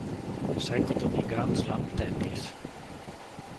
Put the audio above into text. Seguito di "Grand Slam Tennis".